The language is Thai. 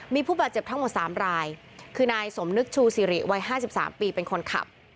มีผู้บาดเจ็บทั้งหมด๓รายคือนายสมนึกชูสิริวัย๕๓ปีเป็นคนขับ